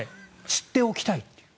知っておきたいという。